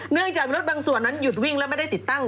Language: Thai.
เนื่องจากรถบางส่วนนั้นหยุดวิ่งและไม่ได้ติดตั้ง